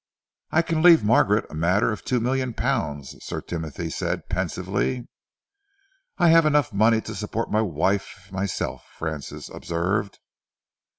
"I can leave Margaret a matter of two million pounds," Sir Timothy said pensively. "I have enough money to support my wife myself," Francis observed.